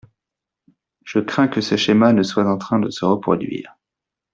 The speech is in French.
Je crains que ce schéma ne soit en train de se reproduire.